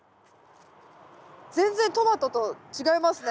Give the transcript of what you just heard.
全然トマトと違いますね。